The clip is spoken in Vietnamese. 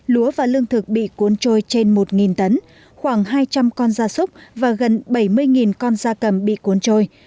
lúa và lương thực bị cuốn trôi trên một tấn khoảng hai trăm linh con da súc và gần bảy mươi con da cầm bị cuốn trôi